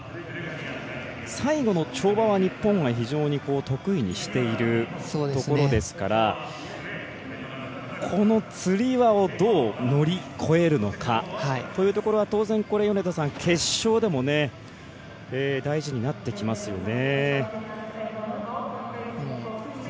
最後の跳馬は日本が非常に得意にしているところですからこのつり輪をどう乗り越えるのかというところは当然、決勝でも大事になってきますよね。